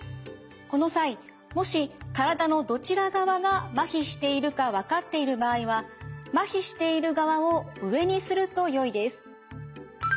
この際もし体のどちら側がまひしているか分かっている場合はまひしている側を上にするとよいです。